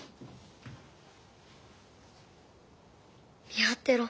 見張ってろ。